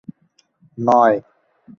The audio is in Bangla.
নয়